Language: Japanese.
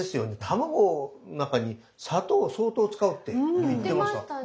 卵の中に砂糖を相当使うって言ってました。